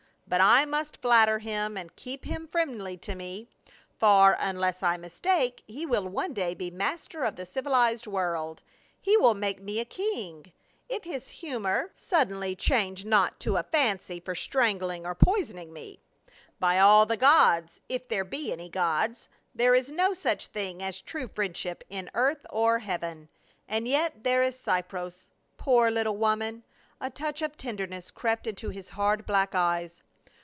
But I must flatter him and keep him friendly to me, for, unless I mis take, he will one day be master of the civilized world. He will make me a king — if his humor sud THE RECLUSE OF CAPRAE. 67 dcnly change not to a fancy for strangling or poisoning me. By all the gods — if there be any gods — there is no such thing as true friendship in earth or heaven ! And yet there is Cypres, poor little woman "— a touch of tenderness crept into his hard black eyes.